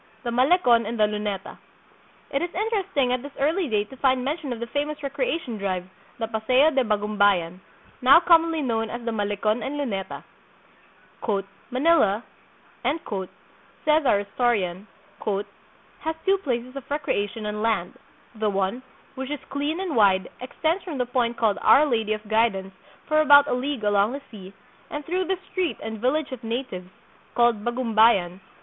The Malecon and the Lunetcu. It is interesting at this early date to find mention of the famous recreation drive, the Paseo de Bagumbayan, now commonly known as the Malecon and Luneta. "Manila," says our historian, "has two places of recreation on land; the one, which is clean and wide, extends from the point called Our Lady of Guidance for about a league along the sea, and through the street and village of natives, called Bagumbayan, to 1 Relation de las Islas Filipinas, chap.